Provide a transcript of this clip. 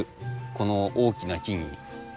この大きな木に。